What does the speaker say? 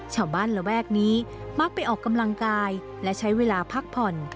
ชาวบ้านระแวกนี้มักไปออกกำลังกายและใช้เวลาพักผ่อน